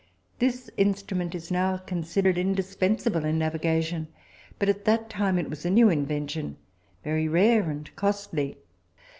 This instrument is now considered indispensable in navigation, but at that time it was a new invention, very rare and costly.